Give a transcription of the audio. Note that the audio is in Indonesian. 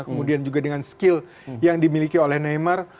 kemudian juga dengan skill yang dimiliki oleh neymar